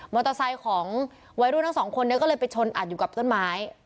เตอร์ไซค์ของวัยรุ่นทั้งสองคนนี้ก็เลยไปชนอัดอยู่กับต้นไม้